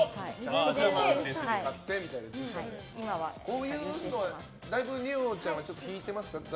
こういうのはだいぶ二葉ちゃんは引いてますか？